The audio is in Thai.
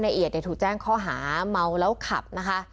เอียดถูกแจ้งข้อหาเมาแล้วขับนะคะ